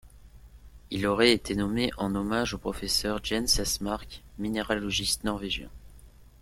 Il aurait été nommé en hommage au professeur Jens Esmark, minéralogiste norvégien.